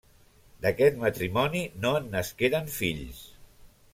D'aquest matrimoni no en nasqueren fills.